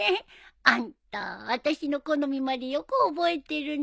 あんた私の好みまでよく覚えてるね。